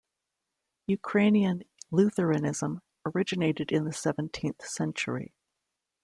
Ukrainian Lutheranism originated in the seventeenth century.